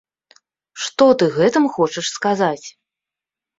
Што ты гэтым хочаш сказаць?